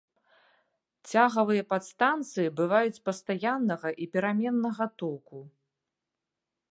Цягавыя падстанцыі бываюць пастаяннага і пераменнага току.